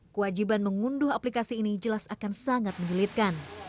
kewajiban mengunduh aplikasi ini jelas akan sangat menyulitkan